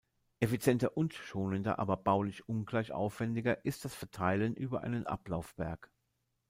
Effizienter und schonender, aber baulich ungleich aufwendiger ist das Verteilen über einen Ablaufberg.